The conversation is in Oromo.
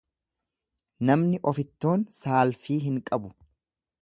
Namni ofittoon saalfii hin qabu.